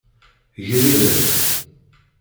Grireb.